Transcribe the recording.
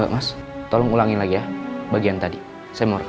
mas tolong ulangi lagi ya bagian tadi saya mau ke